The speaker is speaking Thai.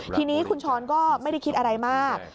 ทีนี้คุณช้อนก็ไม่ได้คิดอะไรมาก